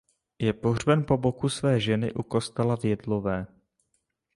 Je pohřben po boku své ženy u kostela v Jedlové.